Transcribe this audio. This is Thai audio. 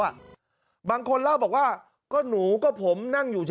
เข้าตาลูกหลานเขาอ่ะบางคนเล่าบอกว่าก็หนูก็ผมนั่งอยู่